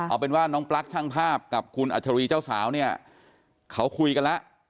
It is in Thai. เอาเป็นว่าน้องปลั๊กช่างภาพกับคุณอัชรีเจ้าสาวเนี่ยเขาคุยกันแล้ว